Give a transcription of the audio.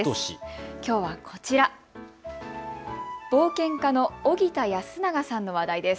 きょうはこちら、冒険家の荻田泰永さんの話題です。